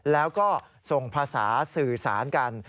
แล้วก็ส่งภาษาสื่อสารกัน